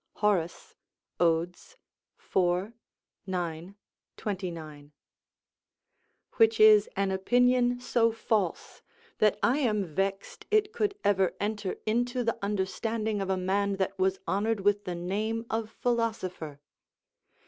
Horace, Od., iv. 9, 29.] which is an opinion so false, that I am vexed it could ever enter into the understanding of a man that was honoured with the name of philosopher.